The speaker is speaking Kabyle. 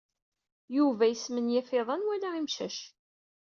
Yuba yesmenyaf iḍan wala imcac.